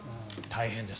大変です。